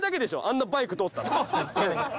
あんなバイク通ったの。